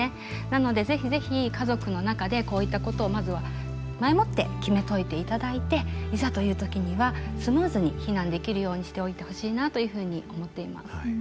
なので是非是非家族の中でこういったことをまずは前もって決めといていただいていざという時にはスムーズに避難できるようにしておいてほしいなというふうに思っています。